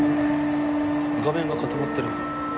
画面が固まってる